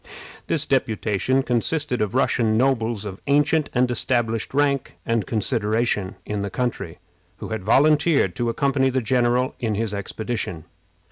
This deputation consisted of Russian nobles of ancient and established rank and consideration in the country, who had volunteered to accompany the general in his expedition.